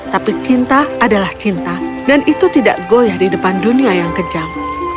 tapi cinta adalah cinta dan itu tidak goyah di depan dunia yang kejam